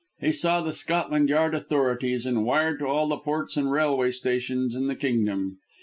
He saw the Scotland Yard authorities and wired to all the ports and railway stations in the kingdom.